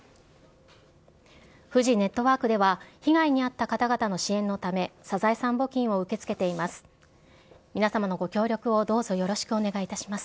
フジネットワークでは、被害に遭った方々の支援のため、サザエさん募金を受け付けています。